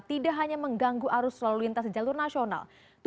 tidak hanya mengganggu arus lalu lintas jalur nasional